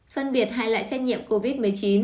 phân biệt hai loại xét nghiệm covid một mươi chín